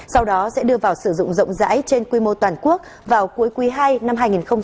sau đó sẽ đưa vào sử dụng rộng rãi trên quy mô toàn quốc vào cuối quý hai năm hai nghìn một mươi tám